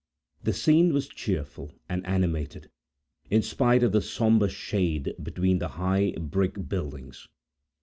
The scene was cheerful and animated, in spite of the sombre shade between the high brick buildings.